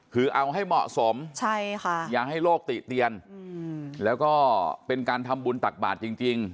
คือเอาให้เหมาะสมอย่าให้โลกติเตียนแล้วก็เป็นการทำบุญตักบาทจริง